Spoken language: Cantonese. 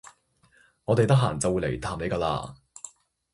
我哋得閒就會嚟探你㗎啦